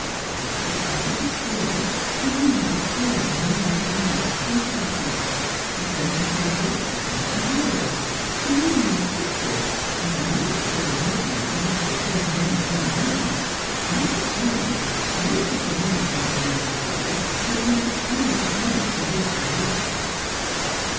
The well carpeted floor, the numerous chairs of inviting depth and softness, the centre table, the handsome bureau, the numerous pictures, and a multitude of knickknacks not to be taken in at one glance, made it plain that most of the money he had lent his brother had been expended at once in this direction.